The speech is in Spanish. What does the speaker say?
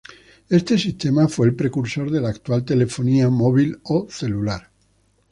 Este sistema fue el precursor de la actual telefonía móvil o celular.